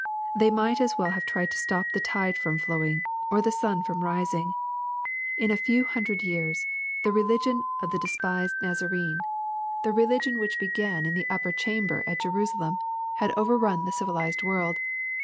They might as well have tried to stop the tide from flowing, or the sun from rising: In a few hun« ired years, the religion of the despised Nazarene, — the 126 EXPOSITORY THOUGHTS. religion which began in the upper chamber at Jerusa lem,— had overrun the civilized world.